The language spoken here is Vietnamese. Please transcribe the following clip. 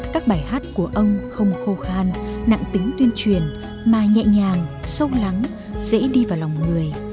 các bài hát của ông không khô khan nặng tính tuyên truyền mà nhẹ nhàng sâu lắng dễ đi vào lòng người